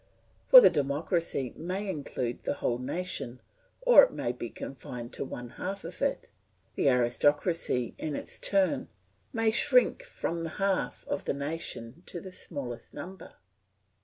For the democracy may include the whole nation, or may be confined to one half of it. The aristocracy, in its turn, may shrink from the half of the nation to the smallest number.